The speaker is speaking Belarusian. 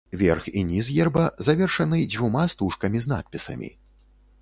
Верх і ніз герба завершаны дзвюма стужкамі з надпісамі.